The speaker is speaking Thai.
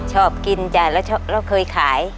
ชอบกินจ้ะแล้วเราเคยขาย